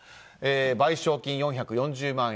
賠償金４４０万円